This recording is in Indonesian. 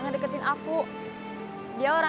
jangan pingsan k lean dan k kou